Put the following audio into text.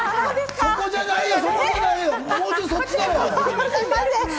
そこじゃないだろ？